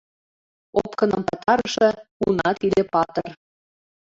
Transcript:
Опкыным пытарыше — уна тиде патыр.